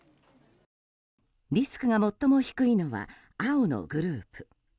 リスクが最も低いのは青のグループ。